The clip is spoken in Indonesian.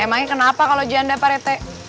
emangnya kenapa kalau janda pak rt